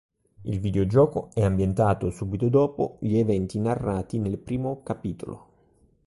Il videogioco è ambientato subito dopo gli eventi narrati nel primo capitolo.